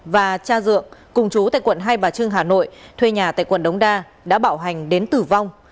và cha dượng cùng chú tại quận hai bà trưng hà nội thuê nhà tại quận đống đa đã bảo hành đến tử vong